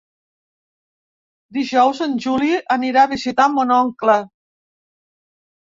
Dijous en Juli anirà a visitar mon oncle.